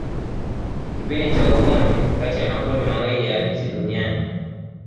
Kipindi cha ugomvi kati ya makundi mawili ya nchi Duniani